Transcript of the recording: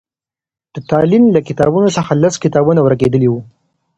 د تالين له کتابتون څخه هم لس کتابونه ورکېدلي وو.